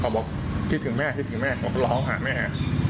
บอกคิดถึงแม่คิดถึงแม่ผมก็ร้องหาแม่